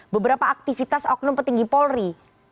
beberapa aktivitas oknum petinggi polri